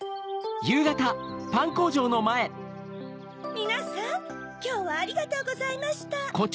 みなさんきょうはありがとうございました。